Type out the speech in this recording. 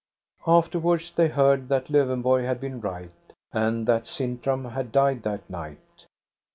Afterwards they heard that Lowenborg had been right, and that Sintram had died that night.